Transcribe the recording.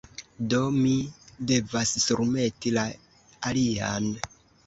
Do, mi devas surmeti la alian